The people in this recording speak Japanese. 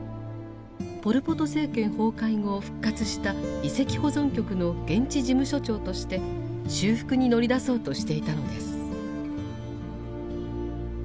ポル・ポト政権崩壊後復活した遺跡保存局の現地事務所長として修復に乗り出そうとしていたのです。